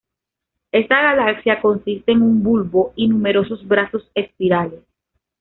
Esta galaxia consiste en un bulbo y numerosos brazos espirales.